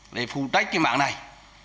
lại phụ trách cái mạng này